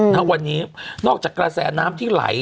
ณวันนี้นอกจากกระแสน้ำที่ไหล